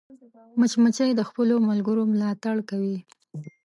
مچمچۍ د خپلو ملګرو ملاتړ کوي